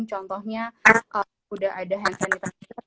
contohnya udah ada hand sanitizer di setiap buah